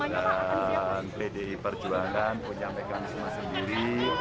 dan bdi perjuangan punya mekanisme sendiri